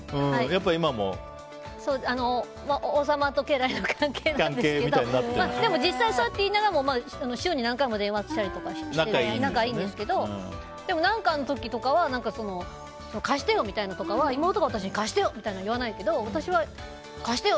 王様と家来の関係なんですけどでも実際、そう言いながらも週に何回も電話したりして仲いいんですけど何かの時とかは貸してよみたいなのは妹が私に貸してよとは言わないけど私は貸してよ！